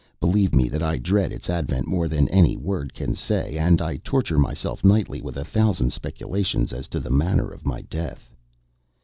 Believe me that I dread its advent more than any word can say; and I torture myself nightly with a thousand speculations as to the manner of my death.